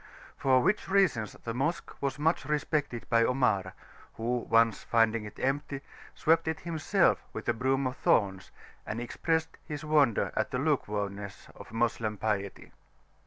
For which reasons the Mosque was much respected by Omar, who, once finding it empty, swept it himself with a broom of thorns, and expressed his wonder at the lukewarmness of Moslem piety.